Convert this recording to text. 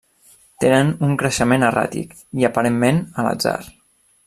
Tenen un creixement erràtic i, aparentment, a l'atzar.